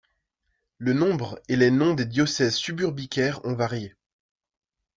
Le nombre et les noms des diocèses suburbicaires ont varié.